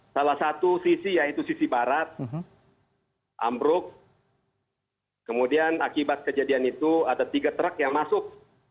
salah satu sisi yaitu sisi barat ambruk kemudian akibat kejadian itu ada tiga truk yang masuk